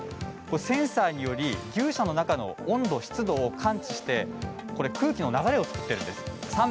センサーにより牛舎の中の温度湿度を感知して空気の流れを作っているんです。